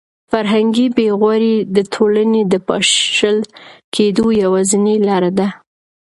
فرهنګي بې غوري د ټولنې د پاشل کېدو یوازینۍ لاره ده.